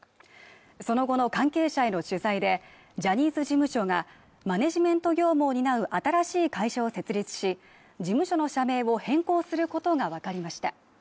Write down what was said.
その後の関係者への取材で、ジャニーズ事務所がマネジメント業務を担う新しい会社を設立し、事務所の社名を変更することがわかりました。